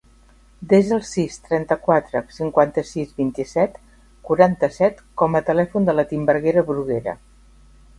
Desa el sis, trenta-quatre, cinquanta-sis, vint-i-set, quaranta-set com a telèfon de la Timburguera Bruguera.